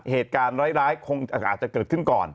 เหตุการณ์ร้ายคงอาจจะเกิดขึ้นก่อน